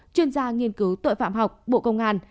chuyên gia nghiên cứu tội phạm học bộ công an